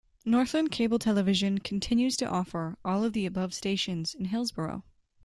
Northland Cable Television continues to offer all of the above stations in Hillsboro.